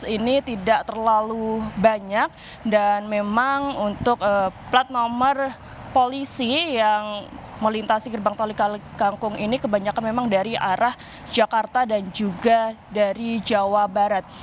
ini tidak terlalu banyak dan memang untuk plat nomor polisi yang melintasi gerbang tolikal kangkung ini kebanyakan memang dari arah jakarta dan juga dari jawa barat